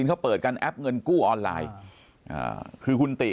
ปากกับภาคภูมิ